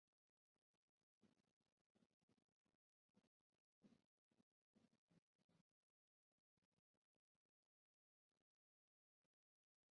বিচারক তাকে সামুদ্রিক কোন একটি পেশা অবলম্বন করার পরামর্শ দিয়েছিলেন, এবং তারপর থেকে তার কথা শোনা যায়নি।